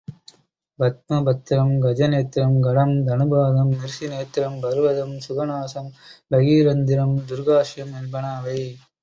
பத்ம பத்ரம், கஜநேத்ரம், கடம், தனுபாதம், மிருசிநேத்ரம், பர்வதம், சுகநாசம், பஹீரந்திரம், துர்காஸ்யம் என்பன அவை.